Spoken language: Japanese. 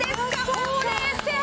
ほうれい線！